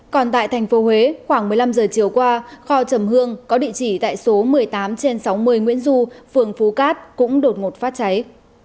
còn tại thành phố huế khoảng một mươi năm giờ chiều qua kho chầm hương có địa chỉ tại số một mươi tám trên sáu mươi nguyễn du phường phú cát cũng đột ngột phát cháy